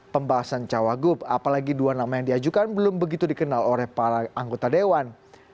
pembahasan cawagup apalagi dua nama yang diajukan belum begitu dikenal oleh para anggota dewan